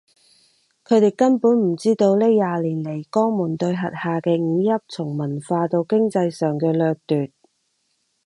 佢哋根本唔知道呢廿年嚟江門對轄下嘅五邑從文化到經濟上嘅掠奪